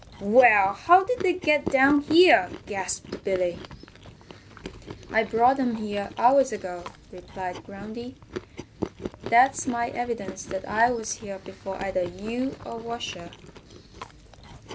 "Well, how'd they get down here?" gasped Billy. "I brought them here hours ago," replied Groundy. "That's my evidence that I was here before either you or Washer."